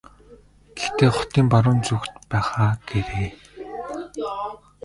Гэхдээ хотын баруун зүгт байх аа гээрэй.